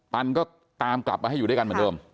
ปันก็ตามกลับมาให้อยู่ด้วยกันเหมือนเดิม